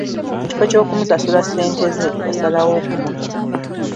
Mu kifo ky'okumusasula ssente ze, yasalawo okumutta.